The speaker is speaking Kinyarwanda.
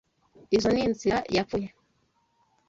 Izoi ni inzira yapfuye.